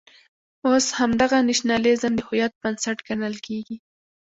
اوس همدغه نېشنلېزم د هویت بنسټ ګڼل کېږي.